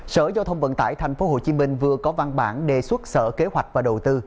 sở giao thông vận tải tp hcm vừa có văn bản đề xuất sở kế hoạch và đầu tư